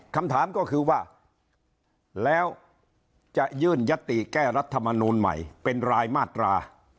คำถามก็คือว่าแล้วจะยื่นยติแก้รัฐมนูลใหม่เป็นรายมาตรา